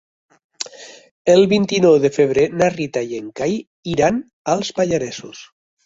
El vint-i-nou de febrer na Rita i en Cai iran als Pallaresos.